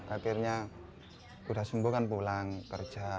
akhirnya sudah sembuh kan pulang kerja